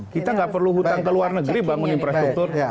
kita tidak perlu hutan ke luar negeri bangun infrastruktur